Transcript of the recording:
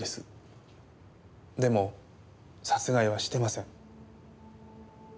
でも殺害はしてません。